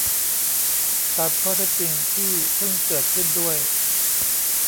ตามข้อเท็จจริงที่เพิ่งเกิดขึ้นด้วย